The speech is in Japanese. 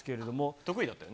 得意だったよね。